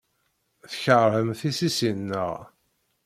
Tkeṛhem tissisin, naɣ?